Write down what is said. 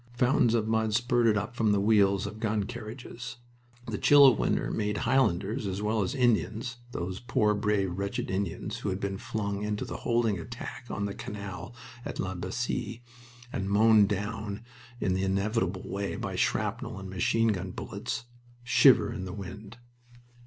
Fountains of mud spurted up from the wheels of gun carriages. The chill of winter made Highlanders as well as Indians those poor, brave, wretched Indians who had been flung into the holding attack on the canal at La Bassee, and mown down in the inevitable way by shrapnel and machine gun bullets shiver in the wind.